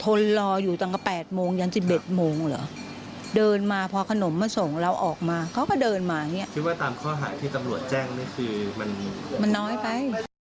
คิดว่าตามข้อหาที่ตำรวจแจ้งได้คือซ้ายตัวซ้ายมันน้อยไป